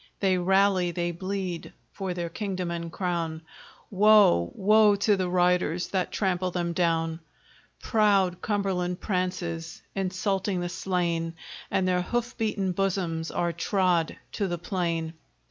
They rally, they bleed, for their kingdom and crown; Woe, woe to the riders that trample them down! Proud Cumberland prances, insulting the slain, And their hoof beaten bosoms are trod to the plain.